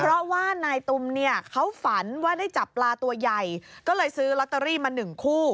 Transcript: เพราะว่านายตุมเนี่ยเขาฝันว่าได้จับปลาตัวใหญ่ก็เลยซื้อลอตเตอรี่มาหนึ่งคู่